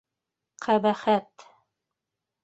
Ҡәбәхәт!